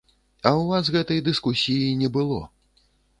А ў вас гэтай дыскусіі не было.